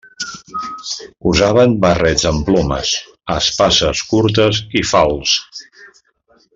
Usaven barrets amb plomes, espases curtes i falçs.